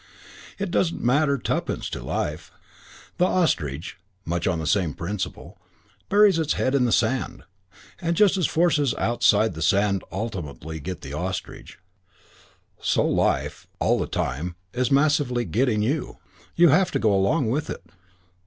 It doesn't matter tuppence to life. The ostrich, on much the same principle, buries its head in the sand; and just as forces outside the sand ultimately get the ostrich, so life, all the time, is massively getting you. You have to go along with it.